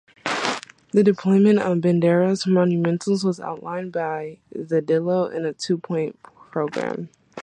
The deployment of "banderas monumentales" was outlined by Zedillo in a two-point program.